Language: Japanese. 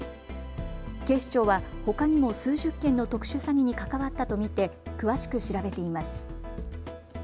警視庁はほかにも数十件の特殊詐欺に関わったと見て詳しく調べています。